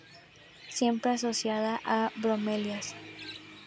Siempre asociada a bromelias.